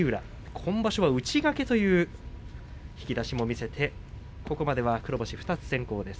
今場所は内掛けという引き出しも見せてここまでは黒星２つ先行です。